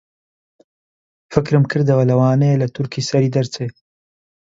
فکرم کردەوە لەوانەیە لە تورکی سەری دەرچێ